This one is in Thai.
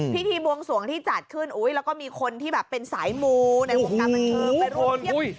พิธีบวงสวงที่จัดขึ้นแล้วก็มีคนที่แบบเป็นสายมูในวงการบันเทิงไปร่วมเทียบ